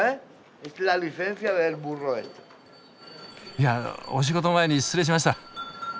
いやお仕事前に失礼しました。